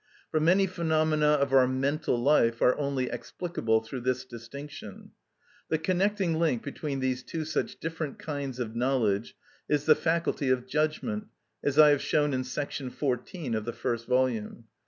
For many phenomena of our mental life are only explicable through this distinction. The connecting link between these two such different kinds of knowledge is the faculty of judgment, as I have shown in § 14 of the first volume.